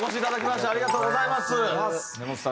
今日はありがとうございます。